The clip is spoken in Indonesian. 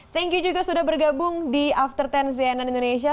terima kasih juga sudah bergabung di after sepuluh sianan indonesia